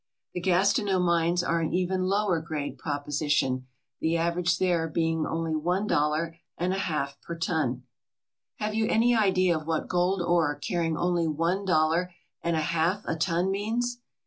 The Gastineau mines are an even lower grade proposition, the average there being only one dollar and a half per ton. Have you any idea of what gold ore carrying only one dollar and a half a ton means?